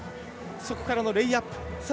そこからのレイアップ。